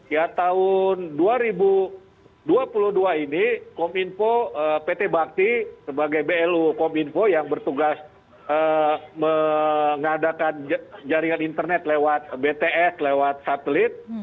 ya tahun dua ribu dua puluh dua ini kominfo pt bakti sebagai blu kominfo yang bertugas mengadakan jaringan internet lewat bts lewat satelit